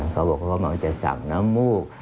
เขาบอกว่ามันจะสับน้ำมูก